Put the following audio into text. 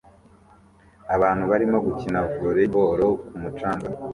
Abantu barimo gukina volley ball ku mucanga